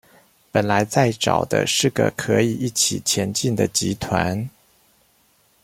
本來在找的是個可以一起前進的集團